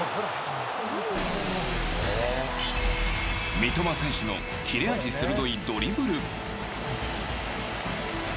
三笘選手の切れ味鋭いドリブル！